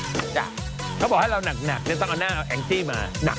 สนุนโดยอีซูซูดีแมคบลูพาวเวอร์นวัตกรรมเปลี่ยนโลก